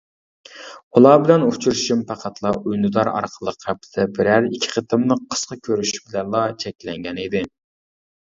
ئۇلار بىلەن ئۇچرىشىشىم پەقەتلا ئۈندىدار ئارقىلىق ھەپتىدە بىرەر ئىككى قېتىملىق قىسقا كۆرۈشۈش بىلەنلا چەكلەنگەن ئىدى.